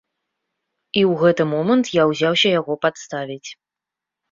І ў гэты момант я ўзяўся яго падставіць.